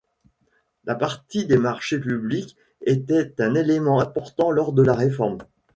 La partie des marchés publics était un élément important lors de la réforme.